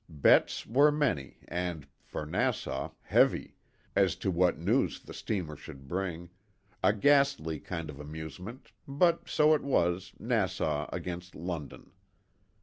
Bets were many and (for Nassau) heavy, as to what news the steamer should bring a ghastly kind of amusement, but so it was, "Nassau against London."